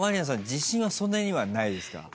自信はそんなにはないですか？